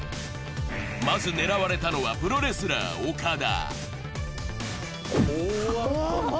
まず狙われたのはプロレスラー・オカダ。